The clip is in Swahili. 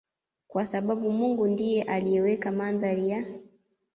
kwa sababu Mungu ndiye aliyeweka mandhari ya